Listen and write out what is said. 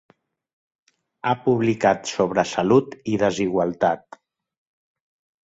Ha publicat sobre salut i desigualtat.